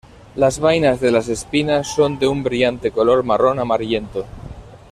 Las vainas de las espinas son de un brillante color marrón amarillento.